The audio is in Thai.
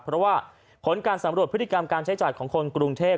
เพราะว่าผลการสำรวจพฤติกรรมการใช้จ่ายของคนกรุงเทพ